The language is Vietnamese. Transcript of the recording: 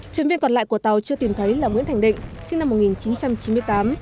thuyền viên còn lại của tàu chưa tìm thấy là nguyễn thành định sinh năm một nghìn chín trăm chín mươi tám